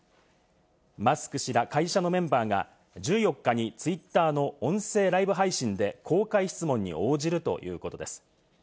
マスク氏ら会社のメンバーが１４日にツイッターの音声ライブ配信で公開質問に応じるということです。